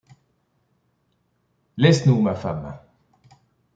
Laisse-nous, ma femme.